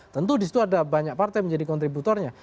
tentu disitu ada banyak partai menjadi kontributornya